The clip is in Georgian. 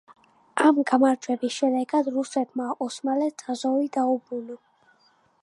ამ გამარჯვების შემდეგ რუსეთმა ოსმალეთს აზოვი დაუბრუნა.